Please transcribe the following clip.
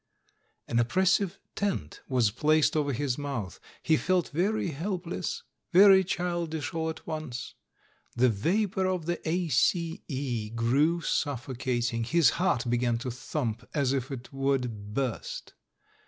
An oppressive *'tent" was placed over his mouth. He felt very helpless, very childish all at once. The vapom* of the "A.C.E." grew suf focating; his heart began to thump as if it would burst.